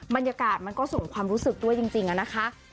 บรรยากาศมันก็ส่งความรู้สึกด้วยจริงอะนะคะ